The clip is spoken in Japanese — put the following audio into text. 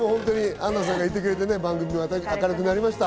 アンナさんがいてくれて、番組が明るくなりました。